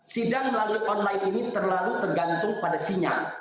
sidang melalui online ini terlalu tergantung pada sinyal